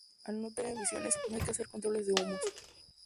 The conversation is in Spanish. Al no tener emisiones no hay que hacer controles de humos.